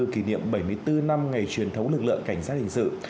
kỷ niệm bảy mươi bốn năm ngày truyền thống lực lượng cảnh sát hình sự